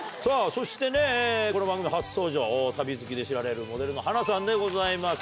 そしてこの番組初登場旅好きで知られるモデルのはなさんでございます。